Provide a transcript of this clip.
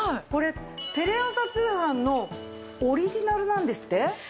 これテレ朝通販のオリジナルなんですって？